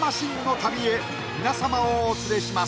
旅へ皆様をお連れします